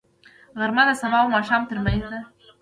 غرمه د سبا او ماښام ترمنځ دی